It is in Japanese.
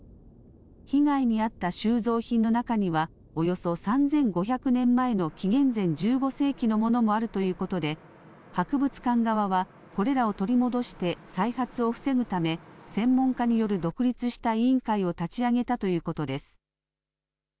被害に遭った収蔵品の中にはおよそ３５００年前の紀元前１５世紀のものもあるということで博物館側はこれらを取り戻して再発を防ぐため専門家による独立した委員会を立ち上げたということです。